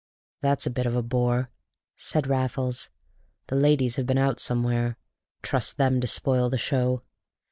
"That's a bit of a bore," said Raffles. "The ladies have been out somewhere trust them to spoil the show!